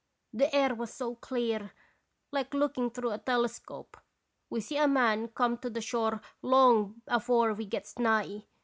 The air was so clear, like looking through a telescope, we see a man come to the shore long afore we gets nigh.